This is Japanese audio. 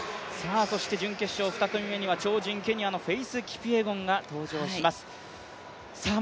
そして準決勝２組目には、超人フェイス・キピエゴンが登場しますね。